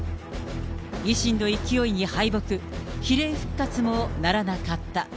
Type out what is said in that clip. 維新の勢いに敗北、比例復活もならなかった。